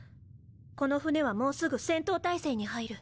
この船はもうすぐ戦闘態勢に入る。